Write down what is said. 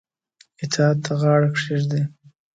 اطاعت ته غاړه کښيږدي.